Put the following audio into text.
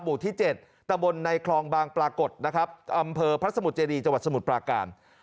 หมู่ที่๗ตะบนในคลองบางปรากฏนะครับอำเภอพระสมุทรเจดีจังหวัดสมุทรปราการ